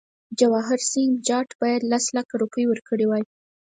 جواهرسینګه جاټ باید لس لکه روپۍ ورکړي وای.